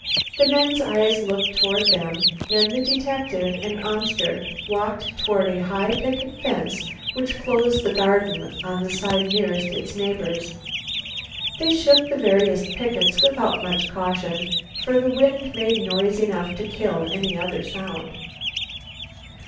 The men's eyes looked toward them, then the detective and Amster walked toward a high picket fence which closed the garden on the side nearest its neighbours. They shook the various pickets without much caution, for the wind made noise enough to kill any other sound.